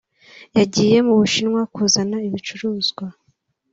yagiye mu Bushinwa kuzana ibicuruzwa